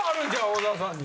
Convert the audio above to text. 小沢さんに。